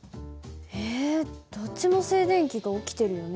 えどっちも静電気が起きてるよね。